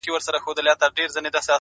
• سیاه پوسي ده؛ ورته ولاړ یم؛